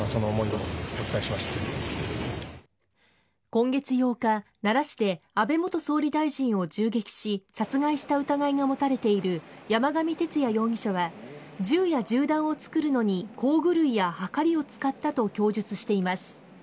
今月８日、奈良市で安倍元総理大臣を銃撃し殺害した疑いが持たれている山上徹也容疑者は銃や銃弾を作るのに工具類やはかりを使ったと供述しています。